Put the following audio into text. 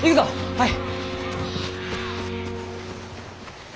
はい！